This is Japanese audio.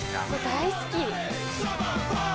「大好き」